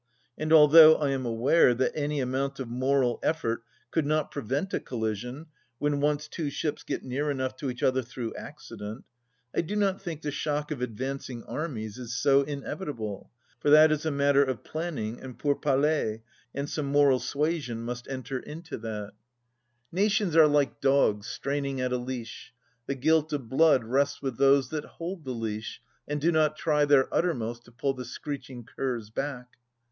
And although I am aware that any amount of moral effort could not pre vent a collision when once two ships get near enough to each other through accident, I do not think the shock of advancing armies is so inevitable, for that is a matter of planning and pourparlers, and some moral suasion must enter into that. THE LAST DITCH 5 Nations are like dogs straining at a leash ; the guilt of blood rests with those that hold the leash and do not try their uttermost to pull the screeching curs back.